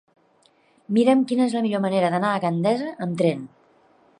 Mira'm quina és la millor manera d'anar a Gandesa amb tren.